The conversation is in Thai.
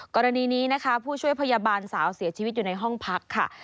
กรณีนี้นะคะผู้ช่วยพยาบาลสาวเสียชีวิตอยู่ในห้องพักค่ะ